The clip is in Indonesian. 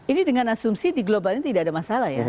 ini dengan asumsi di global ini tidak ada masalah ya